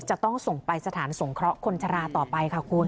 จะต้องส่งไปสถานสงเคราะห์คนชะลาต่อไปค่ะคุณ